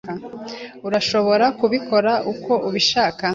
Urashobora kubikora uko ubishaka.